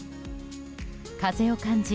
風を感じ